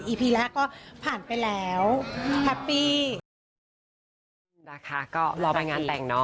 อีพีแรกก็ผ่านไปแล้วแฮปปี้